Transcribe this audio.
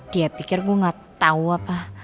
dia pikir gue gak tau apa